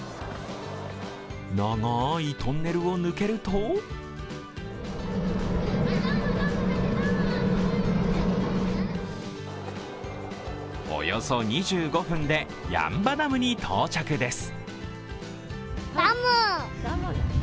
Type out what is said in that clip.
長いトンネルを抜けるとおよそ２５分で八ッ場ダムに到着です。